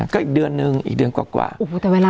ก็อีกเดือนนึงอีกเดือนกว่า